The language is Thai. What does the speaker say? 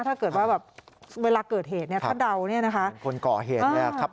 ถ้าเกิดว่าแบบเวลาเกิดเหตุเนี่ยถ้าเดาเนี่ยนะคะคนก่อเหตุเนี่ยครับ